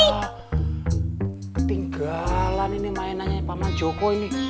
ketinggalan ini mainannya pak joko ini